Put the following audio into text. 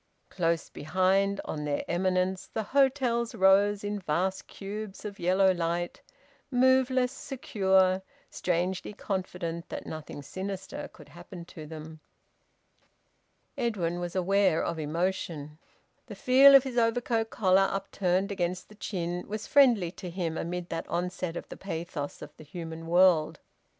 Close behind, on their eminence, the hotels rose in vast cubes of yellow light, moveless, secure, strangely confident that nothing sinister could happen to them. Edwin was aware of emotion. The feel of his overcoat collar upturned against the chin was friendly to him amid that onset of the pathos of the human world.